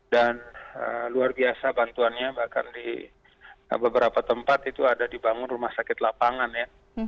dan luar biasa bantuannya bahkan di beberapa tempat itu ada dibangun rumah sakit lapangan ya